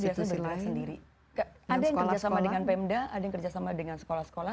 tidak kami biasanya bekerja sendiri ada yang kerjasama dengan pemda ada yang kerjasama dengan sekolah sekolah